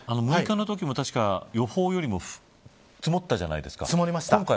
６日のときも確か、予報よりも積もったじゃないですか。